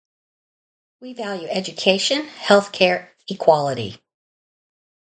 We value education, health care, equality.